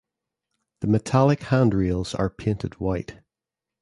The metallic handrails are painted white.